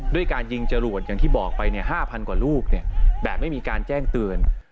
ด้วยการยิงจรวดอย่างที่บอกไป๕๐๐กว่าลูกแบบไม่มีการแจ้งเตือน